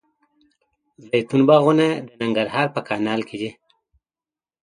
زیتون باغونه د ننګرهار په کانال کې دي.